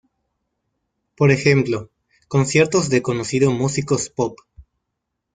Por ejemplo, conciertos de conocido músicos pop.